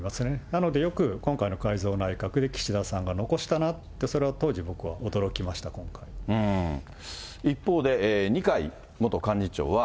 なのでよく今回の改造内閣で、岸田さんが残したなと、それは当時一方で、二階元幹事長は。